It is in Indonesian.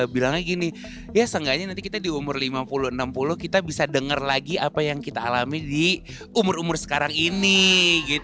bilangnya gini ya seenggaknya nanti kita di umur lima puluh enam puluh kita bisa dengar lagi apa yang kita alami di umur umur sekarang ini